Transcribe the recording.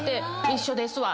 「一緒ですわ」